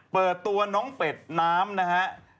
เปิดตัวน้องเป็ดน้ำนะฮะ